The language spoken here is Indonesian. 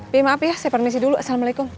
b maaf ya saya permisi dulu assalamualaikum